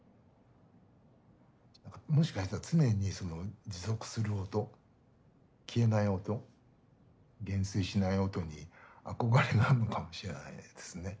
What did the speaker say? もしかしたら常に持続する音消えない音減衰しない音に憧れがあるのかもしれないですね。